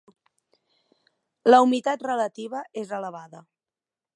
La humitat relativa és elevada.